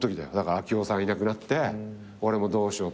明男さんいなくなって俺もどうしようって。